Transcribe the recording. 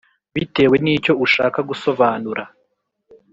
bitewe n icyo ushaka gusobanura